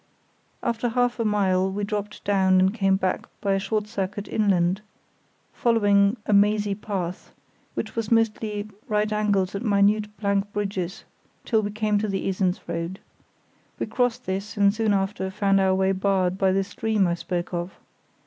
After half a mile we dropped down and came back by a short circuit inland, following a mazy path—which was mostly right angles and minute plank bridges, till we came to the Esens road. We crossed this and soon after found our way barred by the stream I spoke of.